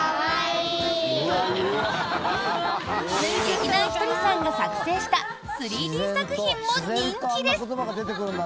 劇団ひとりさんが作成した３Ｄ作品も人気です！